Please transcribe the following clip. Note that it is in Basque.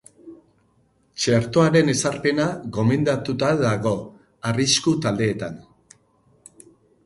Txertoaren ezarpena gomendatuta dago arrisku-taldeetan.